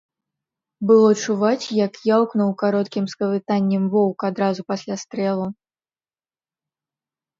Было чуваць, як яўкнуў кароткім скавытаннем воўк адразу пасля стрэлу.